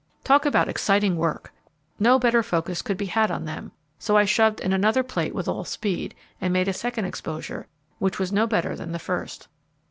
Talk about exciting work! No better focus could be had on them, so I shoved in another plate with all speed, and made a second exposure, which was no better than the first.